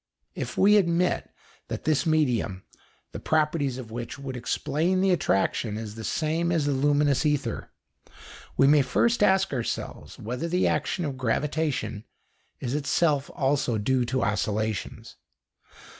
If we admit that this medium, the properties of which would explain the attraction, is the same as the luminous ether, we may first ask ourselves whether the action of gravitation is itself also due to oscillations.